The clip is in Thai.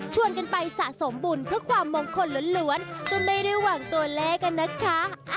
กันไปสะสมบุญเพื่อความมงคลล้วนจนไม่ได้หวังตัวเลขกันนะคะ